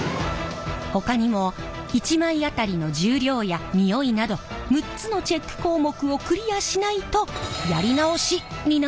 ほかにも１枚当たりの重量や匂いなど６つのチェック項目をクリアしないとやり直しになってしまいます。